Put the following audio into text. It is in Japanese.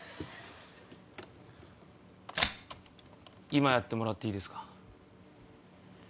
今やってもらっていいですか。